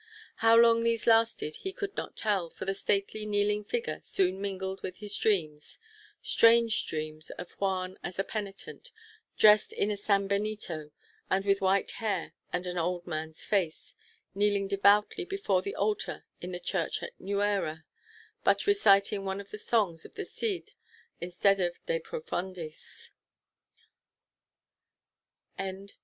How long these lasted he could not tell, for the stately kneeling figure soon mingled with his dreams strange dreams of Juan as a penitent, dressed in a sanbenito, and with white hair and an old man's face, kneeling devoutly before the altar in the church at Nuera, but reciting one of the songs of the Cid instead of De Profundis. XLI.